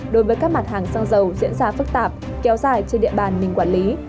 đối với các mặt hàng xăng dầu diễn ra phức tạp kéo dài trên địa bàn mình quản lý